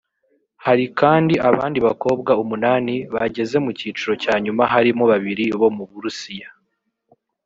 Hari kandi abandi bakobwa umunani bageze mu cyiciro cya nyuma harimo babiri bo mu Burusiya